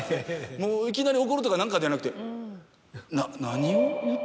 もういきなり怒るとか何かではなくて。